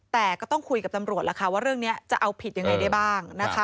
แต่ก็ต้องคุยกับตำรวจล่ะค่ะว่าเรื่องนี้จะเอาผิดยังไงได้บ้างนะคะ